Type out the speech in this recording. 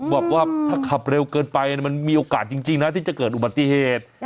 บอกว่าถ้าขับเร็วเกินไปมันมีโอกาสจริงนะที่จะเกิดอุบัติเหตุ